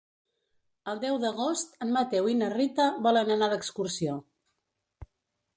El deu d'agost en Mateu i na Rita volen anar d'excursió.